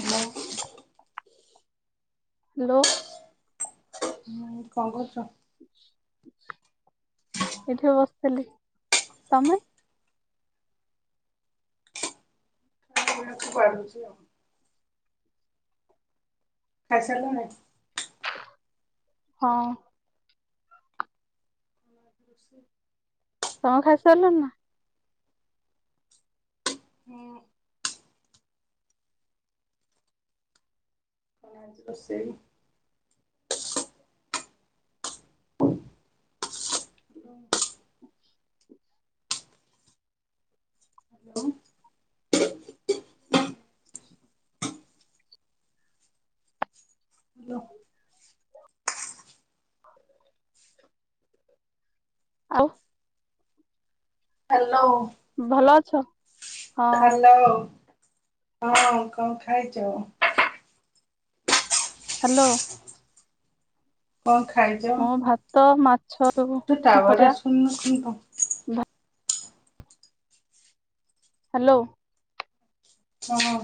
Hello. Hello. ହୁଁ କଣ କରୁଚ? ଏଇଠି ବସିଥିଲି ତମେ? [unintelligible] ଖାଇ ସାରିଲଣି? ହଁ। [unintelligible] ତମେ ଖାଇ ସାରିଲଣି ନା? [unintelligible] କଣ ଆଜି ରୋଷେଇ? [unintelligible] ହ୍ୟାଲୋ। ହ୍ୟାଲୋ। [unintelligible] ଆଉ। ହ୍ୟାଲୋ। ଭଲ ଅଛ? ହଁ ହ୍ୟାଲୋ ହଁ କଣ ଖାଇଚ? ହ୍ୟାଲୋ। କଣ ଖାଇଚ? ତ ମାଛ ସବୁ ଭଜା। [unintelligible] ଭା ହ୍ୟାଲୋ। ହଁ।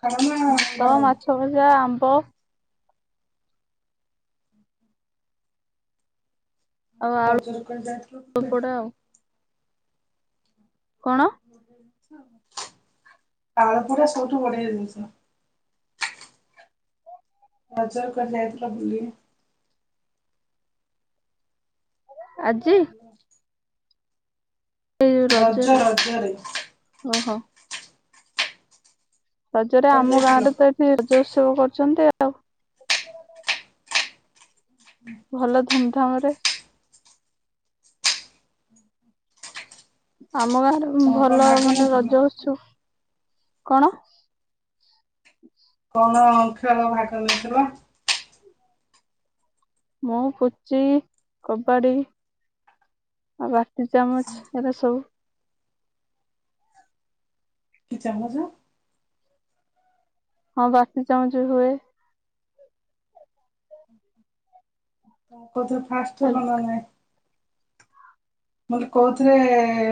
ପଖାଳ ନା ଭାତ ଗରମ? ମାଛ ଭଜା ଆମ୍ବ। ଆଉ ଆଳୁ [unintelligible] ପୋଡା ଆଉ କଣ? ତାଳ ବରା ସବୁଠୁ ବଢିଆ ଜିନିଷ। ଅଜା କୁଆଡେ ଯାଇଥିଲ ବୁଲିଏ? ଆଜି? ହେଲୋ। ଏଇ ରଜ ରଜରେ ରଜରେ ଓହୋ। ରଜରେ କୁଆଡେ ଆମ ଗାଁ ଯାଇଥିଲ? ରେ ତ ଏଠି ରଜ ଉତ୍ସବ କରୁଛନ୍ତି ଆଉ ଭଲ ଧୁମଧାମ ରେ। ଆମ ଗାଁରେ କଣ କଣ ଭଲ ଭାଗ ମାନେ ନେଇଥିଲ? ରଜ ଉତ୍ସବ କଣ? କଣ ଖେଳ ଭାଗ ନେଇଥିଲ? ମୁଁ ପୁଚି କବାଡ଼ି ଆ ବାଟି ଚାମଚ ଏରା ସବୁ କି ଚାମଚ? ହଁ ବାଟି ଚାମଚ ବି ହୁଏ। ତ ଫାଷ୍ଟରୁ ହଁ ନବାର ନାଇଁ ମୁଁ କହିଲି କୋଉଥିରେ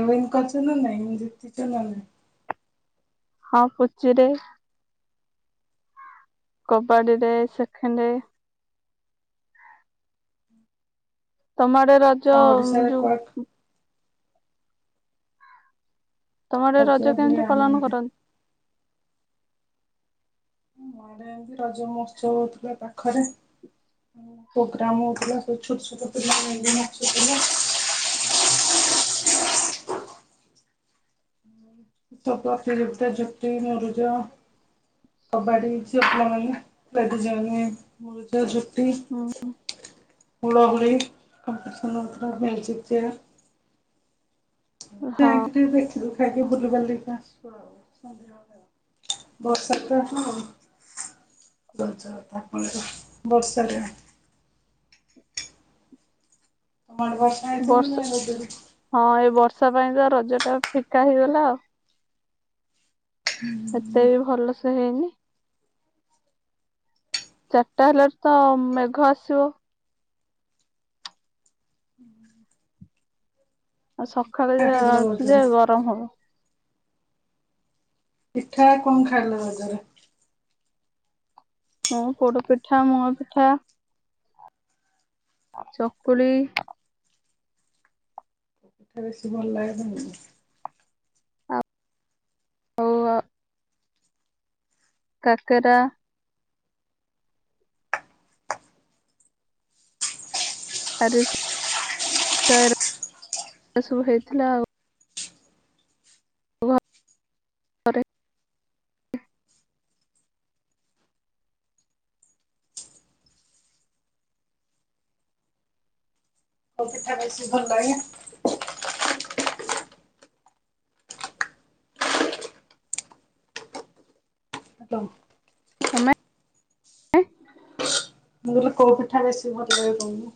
ୱିନ୍ କରିଛନ୍ତି ନା ନାଇଁ ଜିତିଛନା ନାଇଁ? ହଁ ପୁଚୁରେ କବାଡ଼ିରେ ସେଖେଣ୍ଡ ତମ ଆଡେ ହଁ ଓଡ଼ିଶାରେ ଯୋଉ କୁଆଡେ ତମ ଆଡେ ରଜ ହୁଏ କେମିତି ଆମ ପାଳନ ଆଡେ। କରନ୍ତି? ଆମ ଆଡେ ରଜମହଶ୍ଚ ହଉଥିଲା ପାଖରେ ପ୍ରୋଗ୍ରାମ ହଉଥିଲା ସବୁ ଛୋଟ ଛୋଟ ପିଲାମାନେ ନାଚିଲେ ତି ଯ ଝଟି ମୁରୁଜ। କବାଡ଼ି ଝିଅ ପିଲାମାନେ [inaudible] ମୁରୁଜ ଝୋଟି ହୁଁ ହୁଳ ହୁଳି କମ୍ପିଟିସନ ପତ୍ର ମୁଯ୍ୟୁକ ଚିଆର ହଁ ଯାଇକି ଟିକେ ଦେଖିୁ ଖାଇକି ବୁଲିିବାଲିିକ ଆସୁ ଆଉ ବର୍ଷା ତ ହଁ ଗଛ ତା ପରେ ବର୍ଷାଢିଳେ। ମା ବର୍ଷା ଆଇତ ନୁ ବର୍ଷ ହଁ ଏ ବର୍ଷା ପାଇଁ ତ ରଜ ଟା ଫିକା ହେଇଗଲା ଆଉ ସେତେ ବି ଭଲସେ ହେଇନି ଚାରିଟା ହେଲା ତ ମେଘ ଆସିବ ଆଉ ପିଠା ସକାଳେ ଖାଇଲ ଉଠିଲେ ରଜରେ ଗରମ ହବ ପିଠା କଣ ଖାଇଲ ରଜରେ? ହଁ ପୋଡ ପିଠା ମୁଗ ପିଠା ଆଉ ଚକୁଳି ସେ ବେଶୀ ଭଲ ଲାଗେ ତମକୁ ଆପ୍ ହଉ କାକରା ଆରି ସ ସ ସବୁ ହେଇଥିଲା ଆଉ ପରେ କୋଉ ପିଠା ବେଶୀ ଭଲ ଲାଗେ? ହ [unintelligible] ତମେ? ମୁଁ କହିଲି କୋଉ ପିଠା ବେଶୀ ଭଲ ଲାଗେ ତମକୁ?